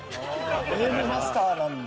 ゲームマスターなんだ。